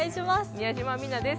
宮島未奈です。